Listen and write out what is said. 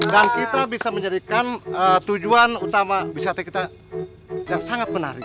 dan kita bisa menjadikan tujuan utama bisnete kita yang sangat menarik